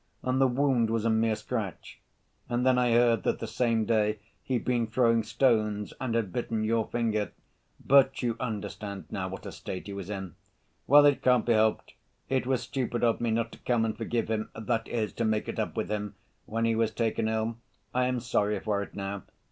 And the wound was a mere scratch. And then I heard that the same day he'd been throwing stones and had bitten your finger—but you understand now what a state he was in! Well, it can't be helped: it was stupid of me not to come and forgive him—that is, to make it up with him—when he was taken ill. I am sorry for it now.